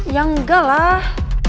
ya enggak lah